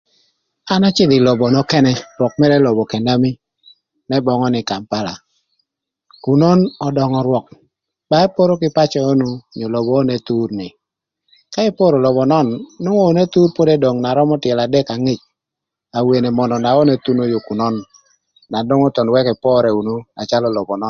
An acïdhö ï lobo nökënë rwök mërë lobo k'enami n'ëböngö nï kampala. Künön ödöngö rwök ba eporo kï pacö onu onyo lobo onu thur ni. Ka iporo lobo nön enwongo onu Ethur pod edong tyelo adek angec. Awene mönö na onu ethuno yo künön na nwongo thon wëkö epore unu na calo lobo nön?